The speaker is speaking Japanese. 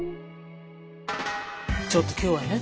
ちょっと今日はね。